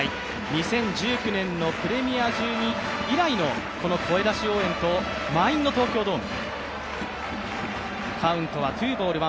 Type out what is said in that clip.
２０１９年のプレミア１２以来の声出し応援と満員の東京ドーム。